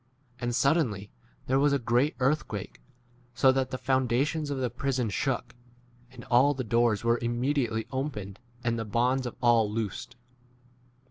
And suddenly there was a great earthquake, so that the foundations of the prison shook, and all the doors were immedi ately opened, and the bonds of all 2 ' loosed.